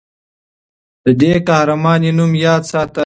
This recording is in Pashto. د دې قهرمانې نوم یاد ساته.